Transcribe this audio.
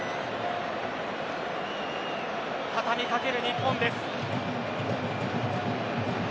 畳み掛ける日本です。